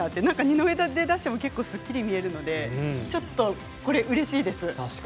二の腕を出しても結構すっきり見えるのでちょっと、これはうれしいです。